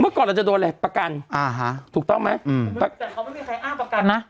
ก่อนเราจะโดนอะไรประกันอ่าฮะถูกต้องไหมอืมแต่เขาไม่มีใครอ้างประกันนะ